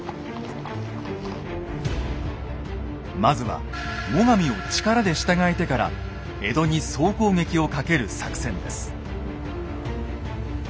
まずは最上を力で従えてから江戸に総攻撃をかける作戦です。